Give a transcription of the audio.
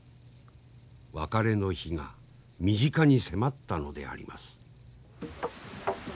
別れの日が身近に迫ったのであります。